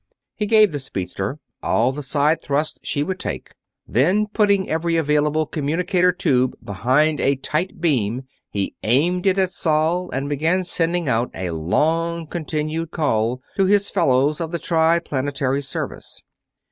He gave the speedster all the side thrust she would take; then, putting every available communicator tube behind a tight beam, he aimed it at Sol and began sending out a long continued call to his fellows of the Triplanetary Service.